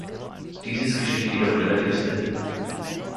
Dieses geschieht jedoch relativ selten.